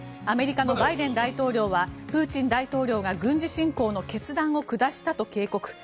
アメリカのバイデン大統領はプーチン大統領が軍事侵攻の決断を下したと警告。